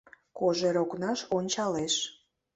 Кожер окнаш ончалеш.